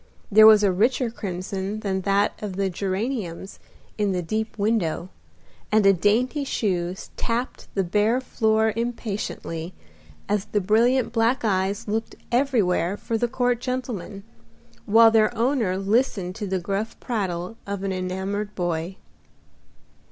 There was a richer crimson than that of the geraniums in the deep window, and a dainty shoe tapped the bare floor impatiently as the brilliant black eyes looked everywhere for the court gentleman, while their owner listened to the gruff prattle of an enamored boy.